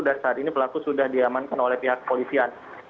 dan saat ini pelaku sudah diamankan oleh pihak kepolisian